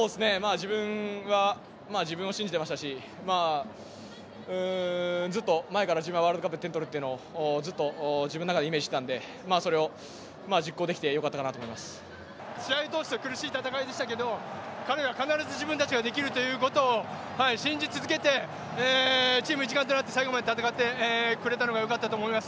自分は自分を信じてましたしずっと前から自分はワールドカップで点を取るというのをずっと自分の中でイメージしてたんでそれを実行できて試合を通して苦しい戦いでしたけど彼らは必ず自分たちができるということを信じ続けてチーム一丸となって最後まで戦ってこれたのがよかったと思います。